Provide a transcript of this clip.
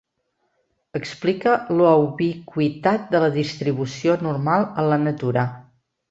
Explica la ubiqüitat de la distribució normal en la natura.